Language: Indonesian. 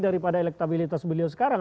daripada elektabilitas beliau sekarang